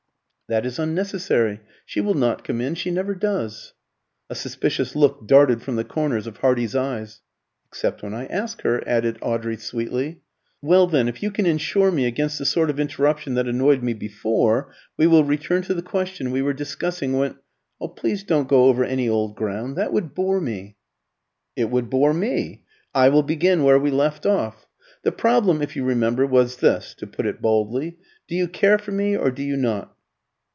"That is unnecessary. She will not come in she never does." A suspicious look darted from the corners of Hardy's eyes. "Except when I ask her," added Audrey, sweetly. "Well, then, if you can ensure me against the sort of interruption that annoyed me before, we will return to the question we were discussing when " "Please don't go over any old ground. That would bore me." "It would bore me. I will begin where we left off. The problem, if you remember, was this to put it baldly do you care for me, or do you not?"